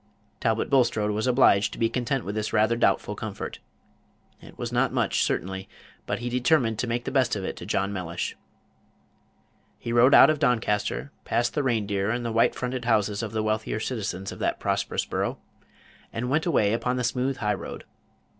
Talbot Bulstrode was obliged to be content with this rather doubtful comfort. It was not much, certainly, but he determined to make the best of it to John Mellish. He rode out of Doncaster, past the "Reindeer" and the white fronted houses of the wealthier citizens of that prosperous borough, and away upon the smooth high road.